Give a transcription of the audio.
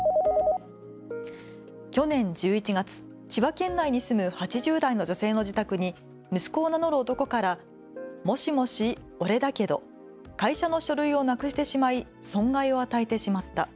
去年１１月、千葉県内に住む８０代の女性の自宅に息子を名乗る男からもしもし、オレだけど、会社の書類をなくしてしまい損害を与えてしまった。